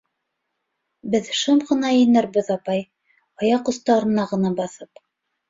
- Беҙ шым ғына инербеҙ, апай, аяҡ остарына ғына баҫып.